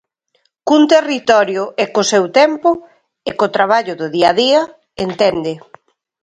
Cun territorio e co seu tempo, e co traballo do día a día, entende.